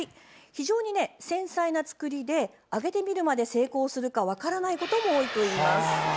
非常に繊細な作りで上げてみるまで成功するか分からないことも多いといいます。